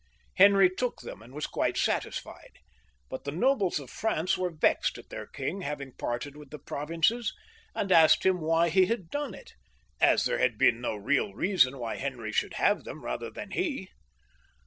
Henry took them and was quite satisfied, but the nobles of France were vexed at their king having parted with the provinces, and asked him why he had done it, as there had been no real reason why Henry should have them rather than he.